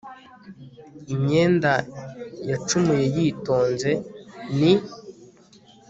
imyenda yacumuye yitonze ni